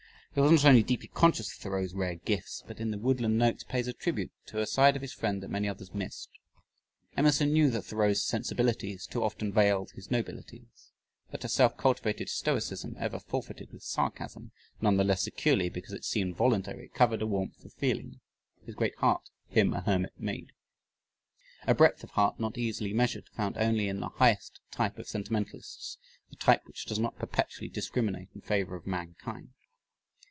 He was not only deeply conscious of Thoreau's rare gifts but in the Woodland Notes pays a tribute to a side of his friend that many others missed. Emerson knew that Thoreau's sensibilities too often veiled his nobilities, that a self cultivated stoicism ever fortified with sarcasm, none the less securely because it seemed voluntary, covered a warmth of feeling. "His great heart, him a hermit made." A breadth of heart not easily measured, found only in the highest type of sentimentalists, the type which does not perpetually discriminate in favor of mankind.